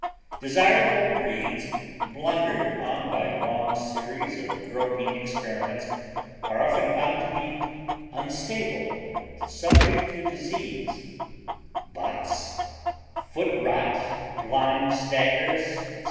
Desirable breeds blundered upon by long series of groping experiments are often found to be unstable and subject to disease—bots, foot rot, blind staggers, etc.